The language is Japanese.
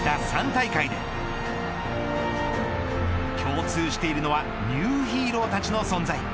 ３大会で共通しているのはニューヒーローたちの存在。